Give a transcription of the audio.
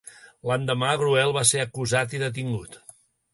L'endemà, Gruel va ser acusat i detingut.